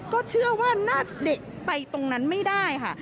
ก็เชื่อว่าหน้าเด็กไปตรงนั้นไม่ได้ค่ะ